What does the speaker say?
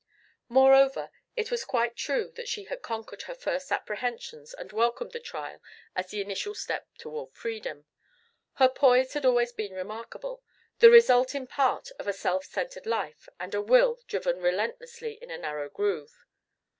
Moreover, it was quite true that she had conquered her first apprehensions and welcomed the trial as the initial step toward freedom. Her poise had always been remarkable, the result in part of a self centred life and a will driven relentlessly in a narrow groove.